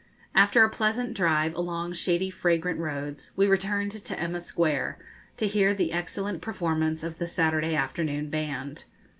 After a pleasant drive along shady fragrant roads, we returned to Emma Square, to hear the excellent performance of the Saturday afternoon band.